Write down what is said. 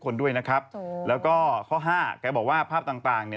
เขาบอกว่าภาพต่างเนี่ย